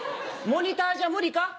モニターじゃ無理か？